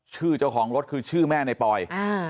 เจ้าของรถคือชื่อแม่ในปอย